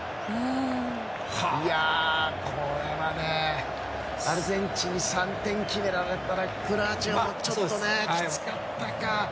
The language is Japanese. これはアルゼンチンに３点決められたらクロアチアもちょっとねきつかったか。